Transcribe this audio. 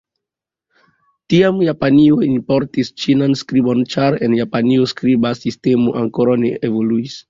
Tiam Japanio importis Ĉinan skribon, ĉar en Japanio skriba sistemo ankoraŭ ne evoluis.